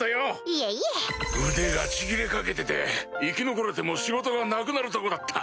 いえいえ腕がちぎれかけてて生き残れても仕事がなくなるとこだった。